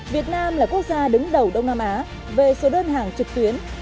việt nam là quốc gia đứng đầu đông nam á về số đơn hàng trực tuyến